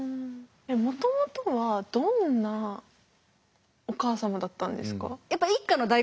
もともとはどんなお母様だったんですか？